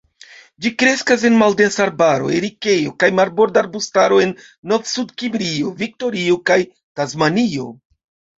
Ĝi kreskas en maldensa arbaro, erikejo kaj marborda arbustaro en Novsudkimrio, Viktorio, kaj Tasmanio.